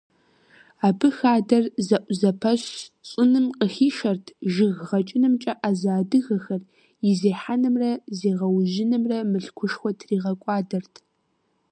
Абы хадэр зэӀузэпэщ щӀыным къыхишэрт жыг гъэкӀынымкӀэ Ӏэзэ адыгэхэр, и зехьэнымрэ зегъэужьынымрэ мылъкушхуэ тригъэкӀуадэрт.